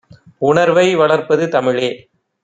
உணர்வை வளர்ப்பது தமிழே!